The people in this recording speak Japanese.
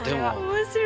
面白い！